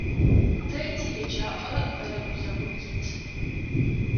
Тэ тиеджапӀэ къэлэ гузэгум ит.